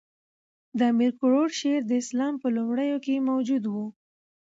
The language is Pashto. د امیر کروړ شعر د اسلام په لومړیو کښي موجود وو.